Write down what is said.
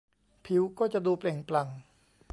ผิวก็จะดูเปล่งปลั่ง